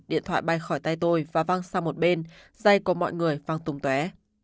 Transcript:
điện thoại bay khỏi tay tôi và văng sang một bên dây của mọi người văng tùng tué